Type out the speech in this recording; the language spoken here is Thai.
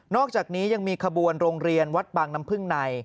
อกจากนี้ยังมีขบวนโรงเรียนวัดบางน้ำพึ่งใน